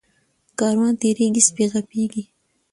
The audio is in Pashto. ـ کاروان تېريږي سپي غپيږي.